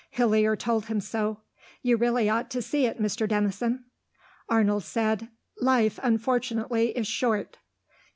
Hillier told him so. "You really ought to see it, Mr. Denison." Arnold said, "Life, unfortunately, is short."